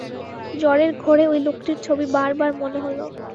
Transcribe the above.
জ্বরের ঘোরে ঐ লোকটির ছবি বারবার মনে হলো।